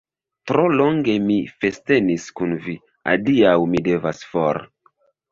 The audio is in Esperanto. Tro longe mi festenis kun vi, adiaŭ, mi devas for!